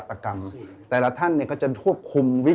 ชื่องนี้ชื่องนี้ชื่องนี้ชื่องนี้